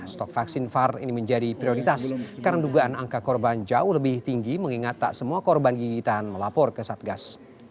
stok vaksin var ini menjadi prioritas karena dugaan angka korban jauh lebih tinggi mengingat tak semua korban gigitan melapor ke satgas